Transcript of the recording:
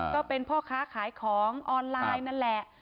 ก็เป็นพ่อค้าขายของออนไลน์นั่นแหละ